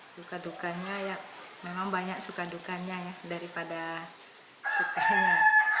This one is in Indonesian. suka dukanya ya memang banyak suka dukanya ya daripada sukanya